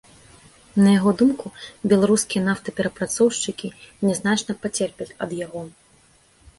На яго думку, беларускія нафтаперапрацоўшчыкі не значна пацерпяць ад яго.